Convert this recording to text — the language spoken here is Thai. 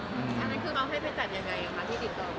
อันนั้นคือเอาให้ไปจัดยังไงครับ